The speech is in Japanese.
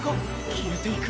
消えていく。